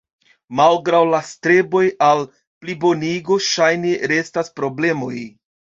Malgraŭ la streboj al plibonigo, ŝajne restas problemoj.